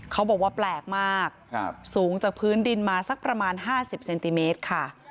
เขาบอกว่าแปลกมากสูงจากพื้นดินมาสักประมาณ๕๐เซนติเมตรค่ะ